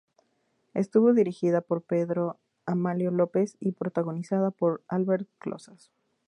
Estuvo dirigida por Pedro Amalio López y protagonizada por Alberto Closas.